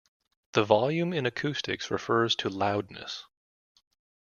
The volume in acoustics refers to loudness.